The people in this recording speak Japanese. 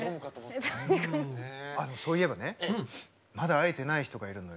あっそういえばねまだ会えてない人がいるのよ。